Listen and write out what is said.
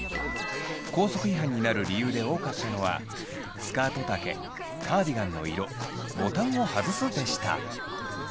校則違反になる理由で多かったのはスカート丈カーディガンの色ボタンを外すでした。